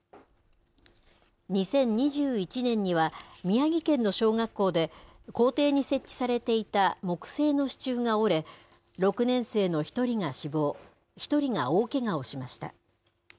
２０２１年には、宮城県の小学校で、校庭に設置されていた木製の支柱が折れ、６年生の１人が死亡、１人が大けがをしました。